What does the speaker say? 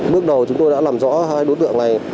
bước đầu chúng tôi đã làm rõ hai đối tượng này